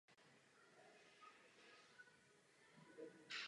Rozsah výroby není veřejně známý.